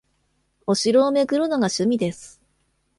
お城を巡るのが趣味です